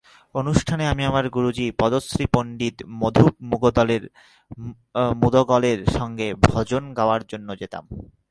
অনুষ্ঠানে আমি আমার গুরুজী পদ্মশ্রী পণ্ডিত মধুপ মুদ্গলের সঙ্গে ভজন গাওয়ার জন্য যেতাম।